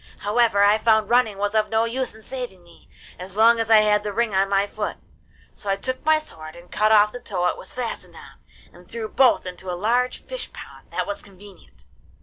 However, I found running was of no use in saving me, as long as I had the ring on my foot; so I took my sword and cut off the toe it was fastened on, and threw both into a large fish pond that was convenient.